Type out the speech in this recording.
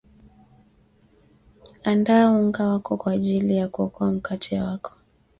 andaa unga wako kwa ajili ya kuoka mkate wako